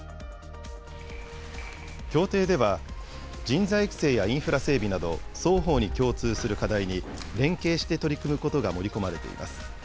協定では、人材育成やインフラ整備など、双方に共通する課題に連携して取り組むことが盛り込まれています。